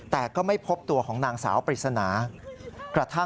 แต่ก็ไม่พบตัวของนางสาวปริศนากระทั่ง